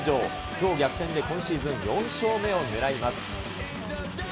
きょう逆転で、今シーズン４勝目を狙います。